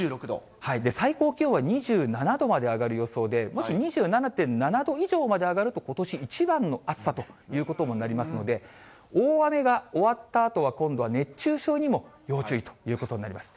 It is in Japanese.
最高気温は２７度まで上がる予想で、もし２７．７度以上まで上がるとことし一番の暑さということもなりますので、大雨が終わったあとは、今度は熱中症にも要注意ということになります。